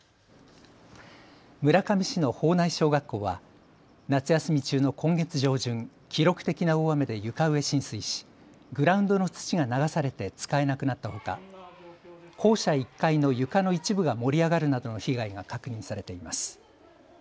村上市の保内小学校は夏休み中の今月上旬、記録的な大雨で床上浸水しグラウンドの土が流されて使えなくなったほか校舎１階の床の一部が盛り上がるなどの被害が確認されています。